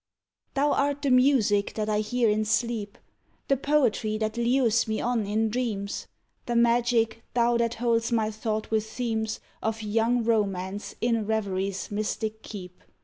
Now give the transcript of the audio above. Thou art the music that I hear in sleep, The poetry that lures me on in dreams; The magic, thou, that holds my thought with themes Of young romance in revery's mystic keep.